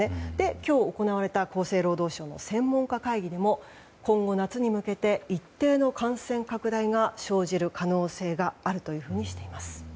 今日行われた厚生労働省の専門家会合でも今後、夏に向けて一定の感染拡大が生じる可能性があるというふうにしています。